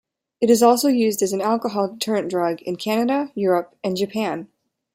It is also used as an alcohol deterrent drug in Canada, Europe and Japan.